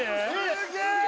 すげえ！